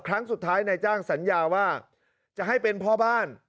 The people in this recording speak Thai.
ครั้งสุดท้ายนายจ้างสัญญาว่าจะให้เป็นพ่อบ้าน